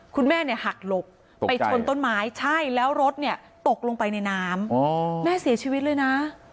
คุณแม่หักหลบไปชนต้นไม้แล้วรถตกลงไปในน้ำแม่เสียชีวิตเลยนะ